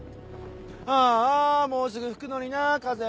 ああもうすぐ吹くのにな風。